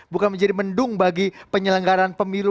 bukan menjadi mendung bagi penyelenggaran pemilu